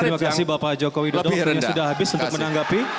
terima kasih bapak joko widodo waktunya sudah habis untuk menanggapi